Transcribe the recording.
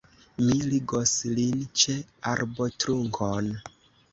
Mi ligos lin ĉe arbotrunkon.